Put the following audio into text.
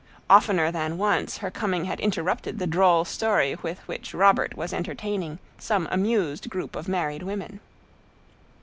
Oftener than once her coming had interrupted the droll story with which Robert was entertaining some amused group of married women.